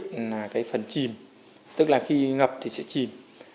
một phần nổi là phần chìm tức là khi ngập thì sẽ chìm